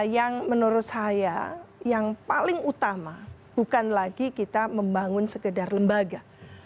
yang menurut saya yang paling utama bukan lagi kita membangun sekedar lembaga